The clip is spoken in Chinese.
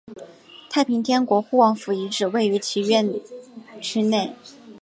太平天国护王府遗址位于其院区内。